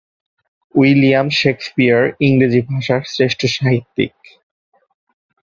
William Shakespeare ইংরেজি ভাষার শ্রেষ্ঠ সাহিত্যিক।